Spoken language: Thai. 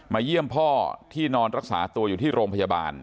เยี่ยมพ่อที่นอนรักษาตัวอยู่ที่โรงพยาบาล